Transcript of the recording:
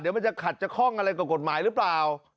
เดี๋ยวมันจะขัดจะคล่องอะไรกับกฎหมายหรือเปล่า